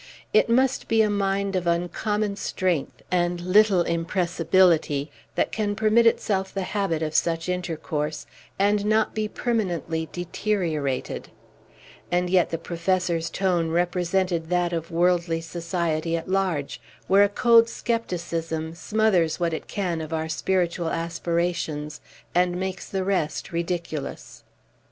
It must be a mind of uncommon strength, and little impressibility, that can permit itself the habit of such intercourse, and not be permanently deteriorated; and yet the Professor's tone represented that of worldly society at large, where a cold scepticism smothers what it can of our spiritual aspirations, and makes the rest ridiculous.